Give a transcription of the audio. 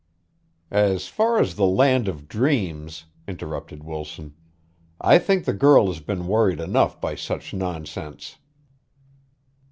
"As far as the land of dreams," interrupted Wilson. "I think the girl has been worried enough by such nonsense."